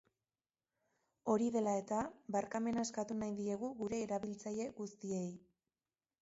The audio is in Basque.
Hori dela eta, barkamena eskatu nahi diegu gure erabiltzaile guztiei.